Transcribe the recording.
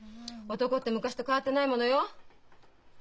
男って昔と変わってないものよ。